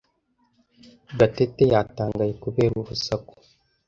Gatete yatangaye kubera urusaku.